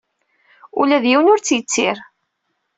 Ula d yiwen ur tt-yettir.